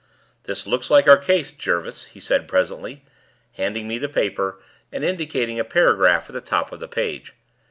"This looks like our case, Jervis," he said presently, handing me the paper and indicating a paragraph at the top of the page.